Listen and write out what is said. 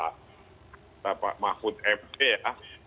tepat mahfud md ya